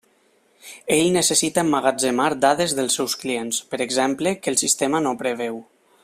Ell necessita emmagatzemar dades dels seus clients, per exemple, que el sistema no preveu.